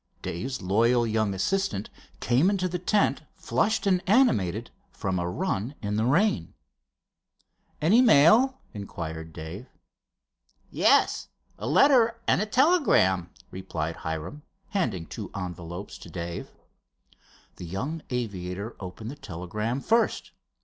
Dave's loyal young assistant came into the tent flushed and animated from a run in the rain. "Any mail?" inquired Dave. "Yes, a letter and a telegram," replied Hiram, handing two envelopes to Dave. The young aviator opened the telegram first.